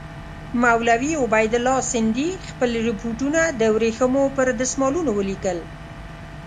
مولوي عبیدالله سندي خپل رپوټونه د ورېښمو پر دسمالونو ولیکل.